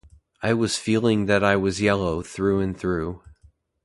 I was feeling that I was yellow through and through.